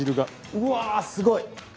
うわぁすごい！